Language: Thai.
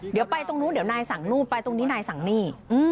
เดี๋ยวไปตรงนู้นเดี๋ยวนายสั่งนู่นไปตรงนี้นายสั่งนี่